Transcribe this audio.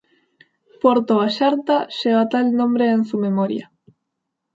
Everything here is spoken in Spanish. Puerto Vallarta lleva tal nombre en su memoria.